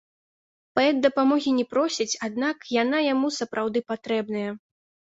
Паэт дапамогі не просіць, аднак яна яму сапраўды патрэбная.